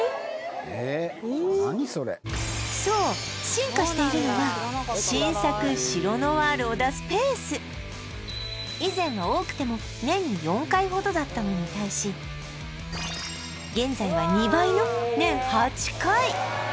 えっ何それそう以前は多くても年に４回ほどだったのに対し現在は２倍の年８回